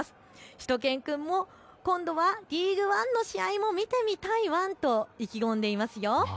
しゅと犬くんも今度はリーグワンの試合も見てみたいワンと意気込んでいますよ。